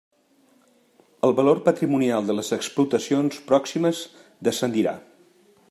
El valor patrimonial de les explotacions pròximes descendirà.